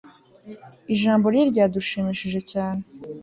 ijambo rye ryadushimishije cyane